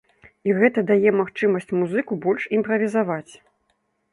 І гэта дае магчымасці музыку больш імправізаваць.